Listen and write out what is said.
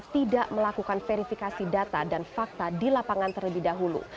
tidak melakukan verifikasi data dan fakta di lapangan terlebih dahulu